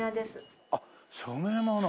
あっ染め物。